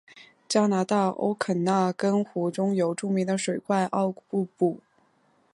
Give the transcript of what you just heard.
加拿大欧肯纳根湖中有著名的水怪奥古布古。